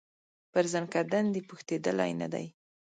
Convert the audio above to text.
پر زکندن دي پوښتېدلی نه دی